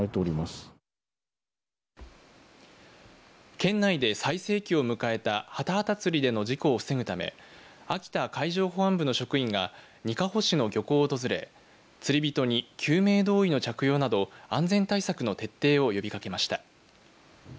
県内で最盛期を迎えたハタハタ釣りでの事故を防ぐため秋田海上保安部の職員がにかほ市の漁港を訪れ釣り人に、救命胴衣の着用など安全対策の徹底を呼びかけました。